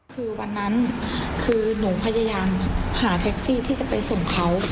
คือวันนั้นคือหนูพยายามหาแท็กซี่ที่จะไปส่งเขา